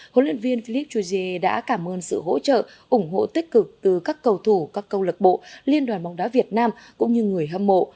huấn luyện viên philip choujie đã cảm ơn sự hỗ trợ ủng hộ tích cực từ các cầu thủ các câu lạc bộ liên đoàn bóng đá việt nam cũng như người hâm mộ